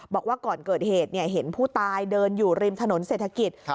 บอกว่าก่อนเกิดเหตุเห็นผู้ตายเดินอยู่ริมถนนเศรษฐกิจ